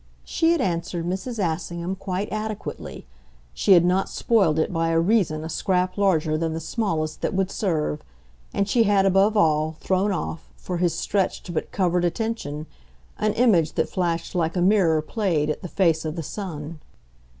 She had answered Mrs. Assingham quite adequately; she had not spoiled it by a reason a scrap larger than the smallest that would serve, and she had, above all, thrown off, for his stretched but covered attention, an image that flashed like a mirror played at the face of the sun.